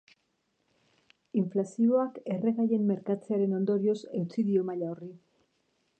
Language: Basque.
Inflazioak erregaien merkatzearen ondorioz eutsi dio maila horri.